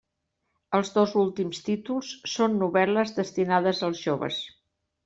Els dos últims títols són novel·les destinades als joves.